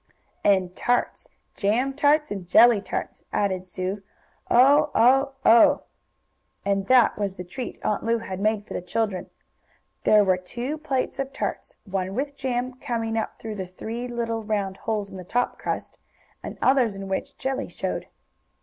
"And tarts jam tarts and jelly tarts!" added Sue. "Oh! oh! oh!" And that was the treat Aunt Lu had made for the children. There were two plates of tarts, one with jam coming up through the three little round holes in the top crust, and others in which jelly showed.